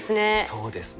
そうですね。